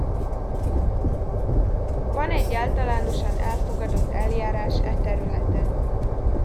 Van egy általánosan elfogadott eljárás e területen.